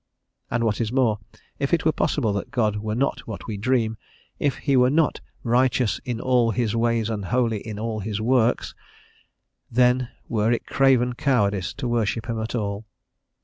And what is more, if it were possible that God were not what we dream, if he were not "righteous in all his ways and holy in all his works," then were it craven cowardice to worship him at all.